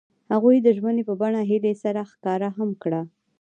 هغوی د ژمنې په بڼه هیلې سره ښکاره هم کړه.